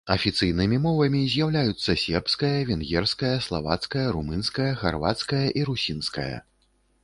Афіцыйнымі мовамі з'яўляюцца сербская, венгерская, славацкая, румынская, харвацкая і русінская.